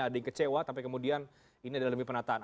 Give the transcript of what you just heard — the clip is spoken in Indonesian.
ada yang kecewa tapi kemudian ini adalah lebih penataan